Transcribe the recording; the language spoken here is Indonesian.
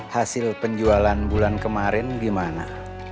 hasil penjualan bulan kemarin gimana